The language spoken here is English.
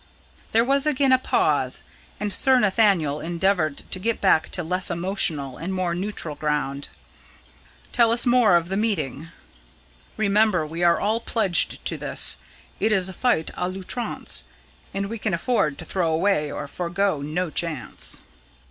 There was again a pause, and Sir Nathaniel endeavoured to get back to less emotional and more neutral ground. "Tell us of the rest of the meeting. Remember we are all pledged to this. It is a fight a l'outrance, and we can afford to throw away or forgo no chance."